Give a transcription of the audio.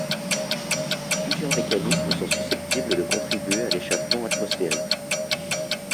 Plusieurs mécanismes sont susceptibles de contribuer à l'échappement atmosphérique.